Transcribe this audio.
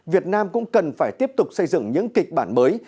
việt nam cũng cần phải tiếp tục xây dựng những kịch bản mới